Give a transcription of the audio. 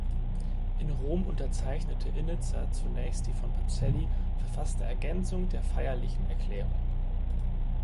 In Rom unterzeichnete Innitzer zunächst die von Pacelli verfasste Ergänzung der Feierlichen Erklärung.